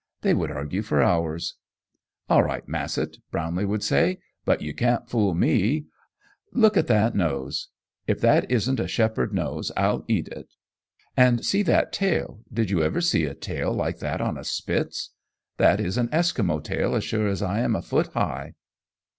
They would argue for hours. "All right, Massett," Brownlee would say, "but you can't fool me. I Look at that nose! If that isn't a Shepherd nose, I'll eat it. And see that tail! Did you ever see a tail like that on a Spitz? That is an Eskimo tail as sure as I am a foot high."